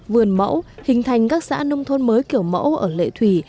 vườn mẫu hình thành các xã nông thôn mới kiểu mẫu ở lệ thủy